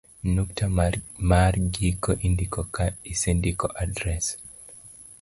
nukta mar giko indiko ka isendiko adres